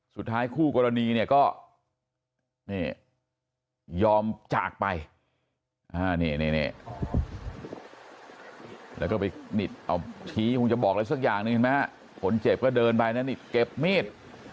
สุดท้ายคู่กรณีก็ยอมจากไปแล้วก็ไปนิดเอาชี้คงจะบอกอะไรสักอย่างหนึ่งคนเจ็บก็เดินไปนิดเก็บมีด